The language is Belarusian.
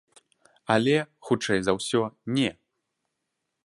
Але, хутчэй за ўсё, не.